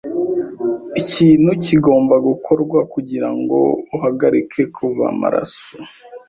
Ikintu kigomba gukorwa kugirango uhagarike kuva amaraso.